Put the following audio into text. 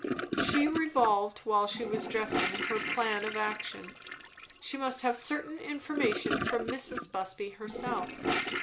She revolved while she was dressing her plan of action. She must have certain information from Mrs. Busby herself.